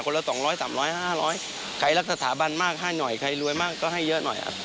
ละ๒๐๐๓๐๐๕๐๐ใครรักสถาบันมากให้หน่อยใครรวยมากก็ให้เยอะหน่อย